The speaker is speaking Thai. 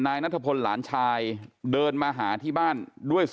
นายนัทพลหลานชายเดินมาหาที่บ้านด้วย